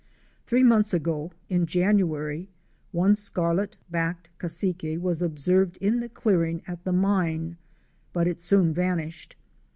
Three months ago, in January, one Scarlet backed Cassique was observed in the clearing at the mine, but it soon vanished.